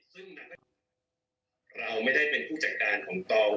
ซึ่งเราไม่ได้เป็นผู้จัดการของตอง